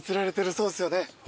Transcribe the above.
そうですよ。